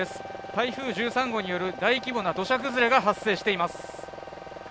台風１３号による大規模な土砂崩れが発生しています。